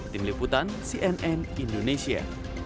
tim liputan cnn indonesia